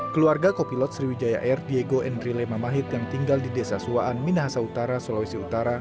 keluarga co pilot sriwijaya air diego henry lemahit yang tinggal di desa suwaan minahasa utara sulawesi utara